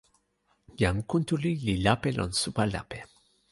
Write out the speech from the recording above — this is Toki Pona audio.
jan Kuntuli li lape lon supa lape.